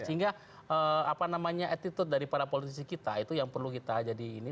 sehingga apa namanya attitude dari para politisi kita itu yang perlu kita jadi ini